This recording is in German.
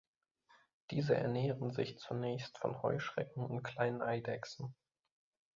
Diese ernähren sich zunächst von Heuschrecken und kleinen Eidechsen.